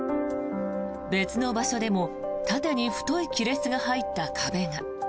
別の場所でも縦に太い亀裂が入った壁が。